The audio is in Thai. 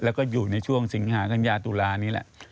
แล้วก็อยู่ในช่วงสิงหากัญญาตุลานี่แหละ